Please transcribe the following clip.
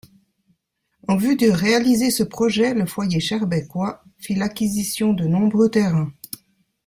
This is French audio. En vue de réaliser ce projet, le Foyer schaerbeekois fit l'acquisition de nombreux terrains.